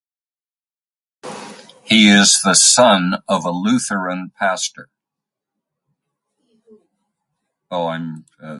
He is the son of a Lutheran pastor.